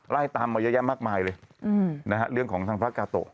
ไล่ตามมาเยอะแยะมากมายเลยนะฮะเรื่องของทางพระกาโตะ